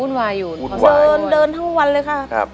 อุ่นวายอยู่เดินทั้งวันเลยค่ะ